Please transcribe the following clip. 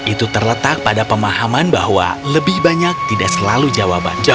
itu terletak pada pemahaman bahwa lebih banyak tidak selalu jawaban